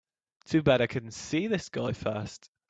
Too bad I couldn't see this guy first.